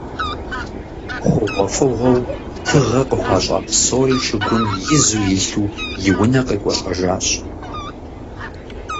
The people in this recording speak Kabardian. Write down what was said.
ХъугъуэфӀыгъуэу тыгъэ къыхуащӀа псори шыгум изу илъу, и унэ къекӀуэлӀэжащ.